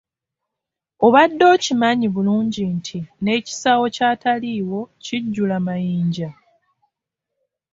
Obadde okimanyi bulungi nti n'ekisawo ky'ataliiwo kijjula mayinja?